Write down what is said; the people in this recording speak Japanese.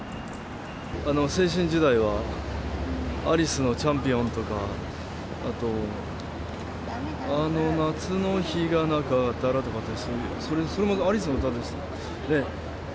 青春時代は、アリスのチャンピオンとか、あと、あの夏の日がなかったらとか、それもアリスの歌ですよね。